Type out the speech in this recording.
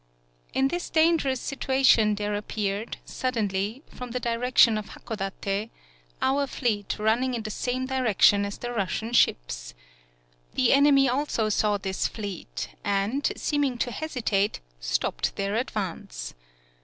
In this dangerous situation there ap peared, suddenly, from the direction of Hakodate, our fleet running in the same direction as the Russian ships. The enemy also saw this fleet and, seeming to hesitate, stopped their advance.